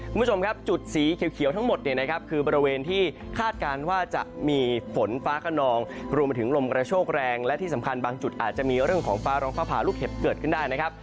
คุณผู้ชมครับจุดสีเขียวทั้งหมดเนี่ยนะครับคือบริเวณที่คาดการณ์ว่าจะมีฝนฟ้าขนองรวมไปถึงลมกระโชคแรงและที่สำคัญบางจุดอาจจะมีเรื่องของฟ้าร้องฟ้าผ่าลูกเห็บเกิดขึ้นได้นะครับ